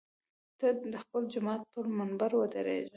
ته د خپل جومات پر منبر ودرېږه.